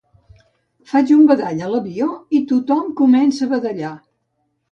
Faig un badall a l'avió i tothom comença a badallar